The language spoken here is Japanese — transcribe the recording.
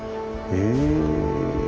へえ。